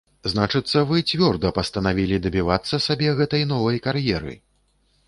Значыцца, вы цвёрда пастанавілі дабівацца сабе гэтай новай кар'еры?